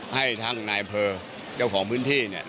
ให้ทั้งนายเผอเจ้าของพื้นธีเนี่ย